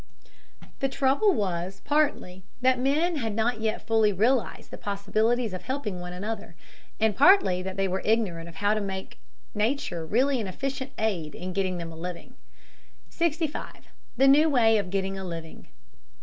The trouble was, partly, that men had not yet fully realized the possibilities of helping one another, and partly that they were ignorant of how to make Nature really an efficient aid in getting them a living. 65. THE NEW WAY OF GETTING A LIVING.